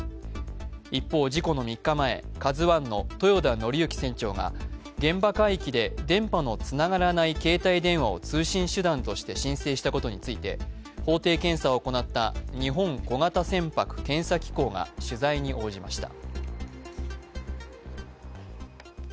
一方、事故の３日前、「ＫＡＺＵⅠ」の豊田徳幸船長が現場海域で電波のつながらない携帯電話を通信手段として申請したことについて法定検査を行った日本小型船舶検査機構が取材に応じました。